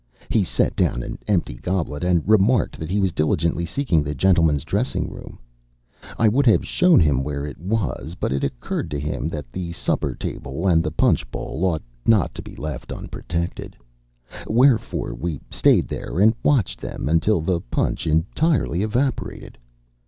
He set down an empty goblet and remarked that he was diligently seeking the gentlemen's dressing room. I would have shown him where it was, but it occurred to him that the supper table and the punch bowl ought not to be left unprotected; wherefore we stayed there and watched them until the punch entirely evaporated.